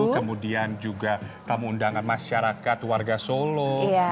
kemudian juga tamu undangan masyarakat warga solo